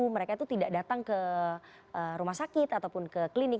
mereka itu tidak datang ke rumah sakit ataupun ke klinik